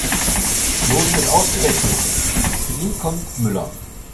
Klose wird ausgewechselt, für ihn kommt Müller.